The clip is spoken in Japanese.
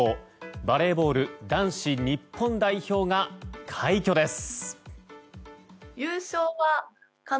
バレーボール男子日本代表が快挙です。